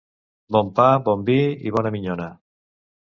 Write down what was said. Bon pa, bon vi i bona minyona.